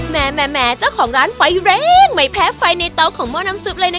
แหมเจ้าของร้านไฟแรงไม่แพ้ไฟในเตาของหม้อน้ำซุปเลยนะ